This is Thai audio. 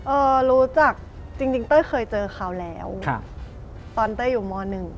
เอ่อรู้จักจริงเต้อเคยเจอเขาแล้วตอนเต้ออยู่ม๑